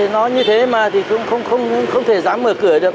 nó như thế mà thì cũng không thể dám mở cửa được